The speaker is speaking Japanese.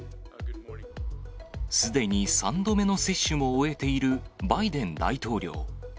すでに３度目の接種も終えているバイデン大統領。